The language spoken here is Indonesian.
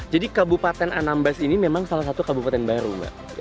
jadi kabupaten anambas ini memang salah satu kabupaten baru mbak